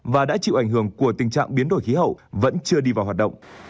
và đã chịu ảnh hưởng của tình trạng biến đổi khí hậu vẫn chưa đi vào hoạt động